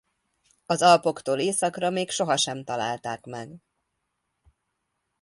Az Alpoktól északra még sohasem találták meg.